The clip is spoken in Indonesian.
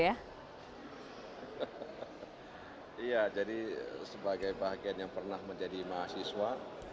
iya jadi sebagai bagian yang pernah menjadi mahasiswa